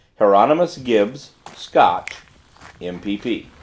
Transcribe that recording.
HIERONYMOUS GIBS, (Scotch,) MPP."